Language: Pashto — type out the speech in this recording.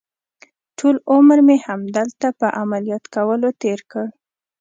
ټول عمر مې همدلته په عملیات کولو تېر کړ.